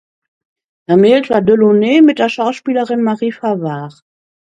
Vermählt war Delaunay mit der Schauspielerin Marie Favart.